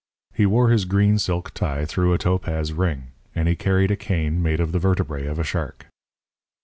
He wore his green silk tie through a topaz ring; and he carried a cane made of the vertebræ of a shark.